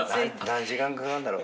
何時間かかるんだろう？